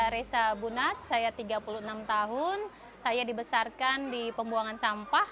reza bunat saya tiga puluh enam tahun saya dibesarkan di pembuangan sampah